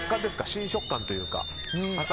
新食感というか。